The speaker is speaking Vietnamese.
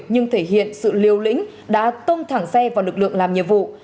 nhưng thể hiện sự liều lĩnh đã tông thẳng xe vào lực lượng làm nhiệm vụ